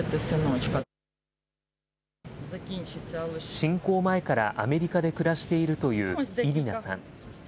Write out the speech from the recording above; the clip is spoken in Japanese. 侵攻前からアメリカで暮らしているというイリナさん。